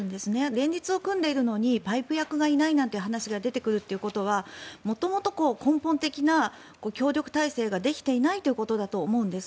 連立を組んでいるのにパイプ役がいないなんて話が出てくるということは元々、根本的な協力体制ができていないということだと思うんです。